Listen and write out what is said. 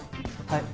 はい。